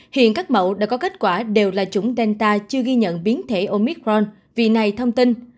hiện các mẫu đã có kết quả đều là chủng delta chưa ghi nhận biến thể omicron